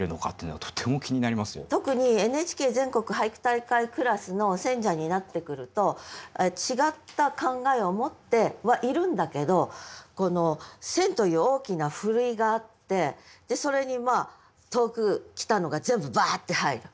特にＮＨＫ全国俳句大会クラスの選者になってくると違った考えを持ってはいるんだけどこの「選」という大きなふるいがあってそれに投句来たのが全部バッて入る。